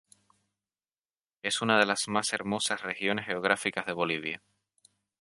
Es una de las más hermosas regiones geográficas de Bolivia.